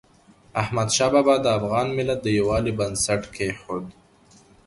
احمدشاه بابا د افغان ملت د یووالي بنسټ کېښود.